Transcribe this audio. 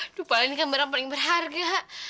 aduh paling ini kan barang paling berharga